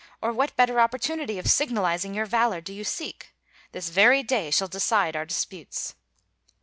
or what better opportunity of signalizing your valor do you seek? This very day shall decide our disputes."